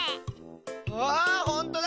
あほんとだ！